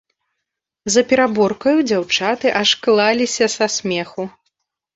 За пераборкаю дзяўчаты аж клаліся са смеху.